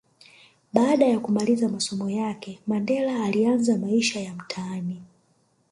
Baada ya kumaliza masomo yake Mandela aliyaanza maisha ya mtaani